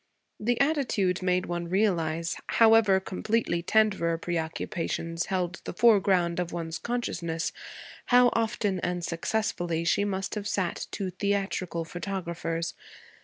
The attitude made one realize, however completely tenderer preoccupations held the foreground of one's consciousness, how often and successfully she must have sat to theatrical photographers.